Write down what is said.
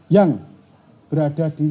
yang berada di